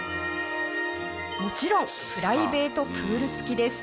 もちろんプライベートプール付きです。